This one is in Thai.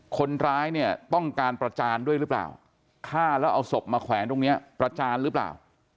คนร้ายเนี่ยต้องการประจานด้วยหรือเปล่าฆ่าแล้วเอาศพมาแขวนตรงนี้ประจานหรือเปล่า